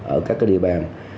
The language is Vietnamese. ở các cái địa bàn